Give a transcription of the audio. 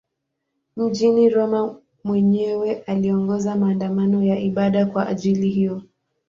Mjini Roma mwenyewe aliongoza maandamano ya ibada kwa ajili hiyo.